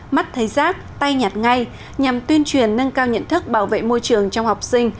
mắt thấy rác tay nhặt ngay nhằm tuyên truyền nâng cao nhận thức bảo vệ môi trường trong học sinh